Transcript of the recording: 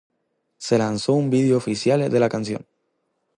Se lanzó un video oficial de la canción.